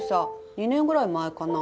２年ぐらい前かな？